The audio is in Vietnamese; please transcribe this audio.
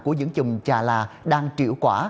của những chùm trà lạ đang triệu quả